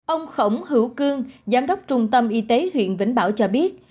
ông khổng hữu cương giám đốc trung tâm y tế huyện vĩnh bảo cho biết